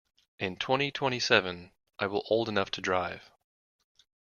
In twenty-twenty-seven I will old enough to drive.